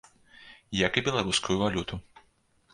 Як і беларускую валюту.